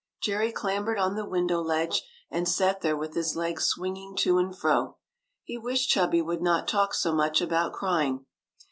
Jerry clambered on the window ledge and sat there with his legs swinging to and fro. He wished Chubby would not talk so much about crying.